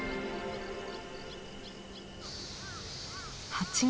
８月。